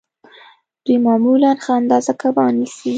دوی معمولاً ښه اندازه کبان نیسي